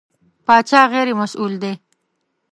پاچا غېر مسوول دی.